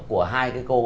của hai cái cô